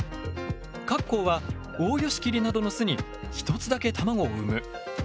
カッコウはオオヨシキリなどの巣に１つだけ卵を産む。